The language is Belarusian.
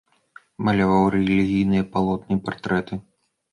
Маляваў рэлігійныя палотны і партрэты.